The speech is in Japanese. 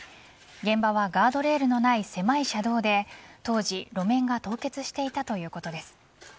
現場はガードレールのない狭い車道で当時、路面が凍結していたということです。